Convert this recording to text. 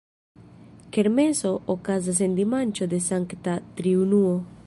Kermeso okazas en dimanĉo de Sankta Triunuo.